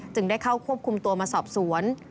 ได้เข้าควบคุมตัวมาสอบสวน